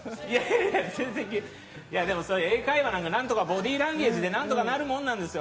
英会話なんかボディーランゲージで何とかなるものなんですよ。